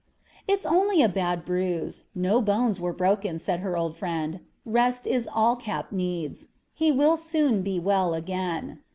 "'It's only a bad bruise; no bones are broken,' said her old friend; 'rest is all Cap needs; he will soon be well again.'